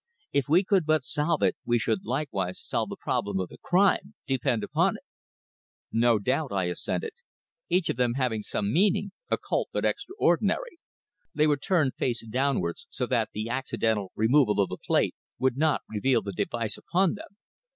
"If we could but solve it we should likewise solve the problem of the crime, depend upon it." "No doubt," I assented. "Each of them have some meaning, occult but extraordinary. They were turned face downwards so that the accidental removal of the plate would not reveal the device upon them."